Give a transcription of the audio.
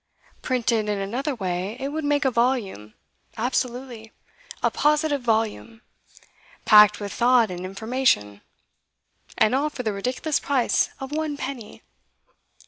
Printed in another way it would make a volume absolutely; a positive volume; packed with thought and information. And all for the ridiculous price of one penny!